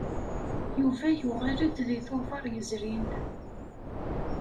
Yuba yuɣal-d deg Tubeṛ yezrin.